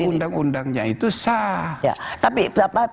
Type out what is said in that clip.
tapi undang undangnya itu sah